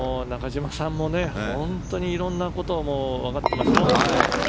中嶋さんも本当に色んなことをわかっていますので。